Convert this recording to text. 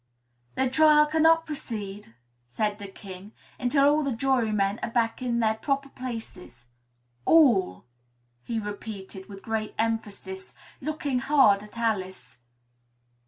"The trial cannot proceed," said the King, "until all the jurymen are back in their proper places all," he repeated with great emphasis, looking hard at Alice.